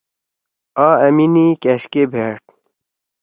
آں أمنی کأشکے بیٹھ ۔